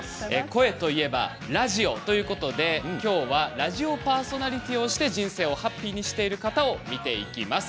声といえばラジオということで今日はラジオパーソナリティーをして人生をハッピーにしている方を見ていきます。